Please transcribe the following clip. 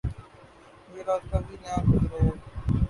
یہ رات کبھی نہ گزرے